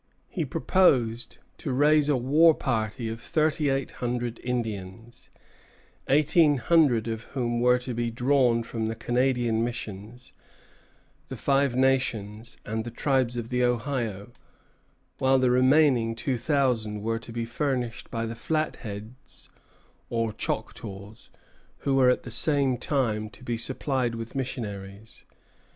He proposed to raise a war party of thirty eight hundred Indians, eighteen hundred of whom were to be drawn from the Canadian missions, the Five Nations, and the tribes of the Ohio, while the remaining two thousand were to be furnished by the Flatheads, or Choctaws, who were at the same time to be supplied with missionaries.